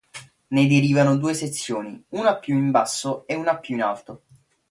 Ne derivano due sezioni: una più in basso e una più in alto.